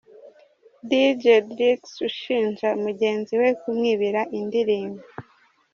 Deejay Deelex ushinja mugenzi we kumwibira indirimbo.